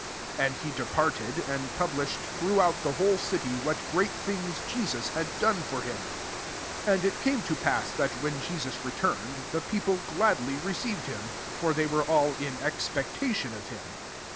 And he departed, and publish ed throughout the whole city, what great things Jesus had done for him. 40 And it came to pass, that when JesUs returned, the peo ple gladiy received him : for they were all in expectation of him.